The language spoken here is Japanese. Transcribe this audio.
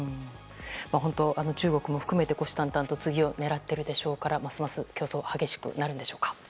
本当に、中国も含めて虎視眈々と次を狙っているでしょうからますます競争が激しくなるんでしょうか。